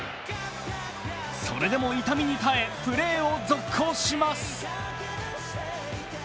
それでも痛みに耐えプレーを続行します。